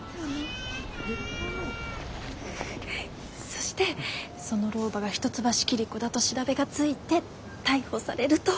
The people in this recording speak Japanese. そしてその老婆が一橋桐子だと調べがついて逮捕されると。